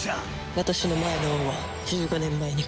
私の前の王は１５年前に殺された。